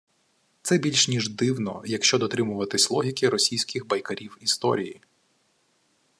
Це більш ніж дивно, якщо дотримуватися логіки російських «байкарів історії»